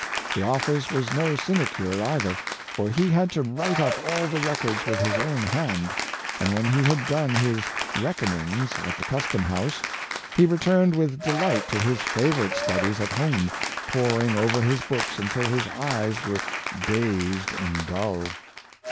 The office was no sinecure either, for he had to write up all the records with his own hand; and when he had done his " reckonings " at the custom house, he returned with delight to his favorite studies at home — poring over his books until his eyes were " dazed " and dull.